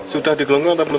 sudah digelonggong atau belum